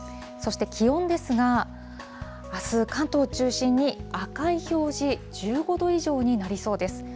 そして気温ですが、あす、関東を中心に赤い表示、１５度以上になりそうです。